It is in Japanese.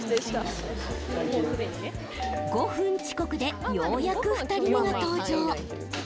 ５分遅刻でようやく２人目が登場。